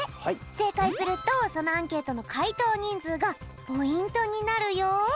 せいかいするとそのアンケートのかいとうにんずうがポイントになるよ。